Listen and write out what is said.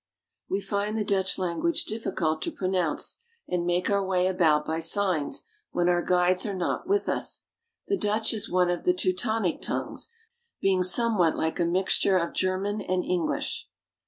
We find the Dutch language difficult to pronounce, and make our way about by signs when our guides are not with us. The Dutch is one of the Teutonic tongues, being somewhat like a mixture of German and English.